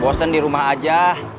bosen di rumah aja